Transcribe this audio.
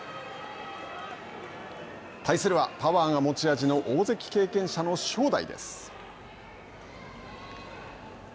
対するはパワーが持ち味の大関経験者の正代。